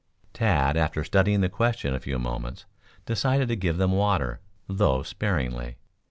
Tad, after studying the question a few moments, decided to give them water, though sparingly.